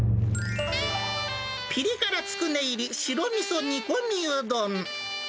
ピリ辛つくね入り白味噌煮込みうどん。